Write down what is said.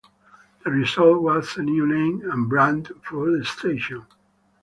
The result was a new name and brand for the station.